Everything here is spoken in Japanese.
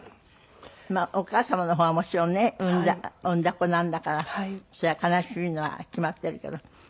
お母様の方はもちろんね産んだ子なんだからそりゃ悲しいのは決まっているけど。